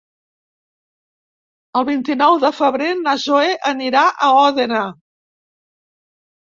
El vint-i-nou de febrer na Zoè anirà a Òdena.